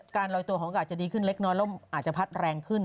ลอยตัวของก็อาจจะดีขึ้นเล็กน้อยแล้วอาจจะพัดแรงขึ้น